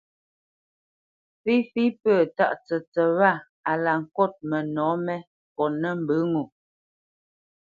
Féfé pə̂ tǎʼ tsətsət wâ a la ŋkôt mənɔ̌ mé kotnə́ mbə ŋo.